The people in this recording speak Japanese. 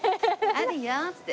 「あるよ」って。